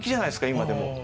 今でも。